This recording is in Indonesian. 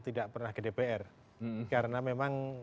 tidak pernah ke dpr karena memang